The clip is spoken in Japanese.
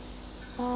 ああ。